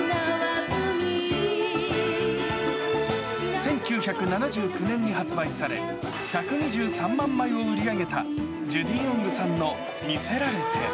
１９７９年に発売され、１２３万枚を売り上げた、ジュディ・オングさんの魅せられて。